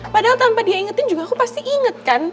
padahal tanpa dia ingetin juga aku pasti inget kan